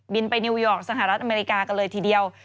ไปนิวยอร์กสหรัฐอเมริกากันเลยทีเดียว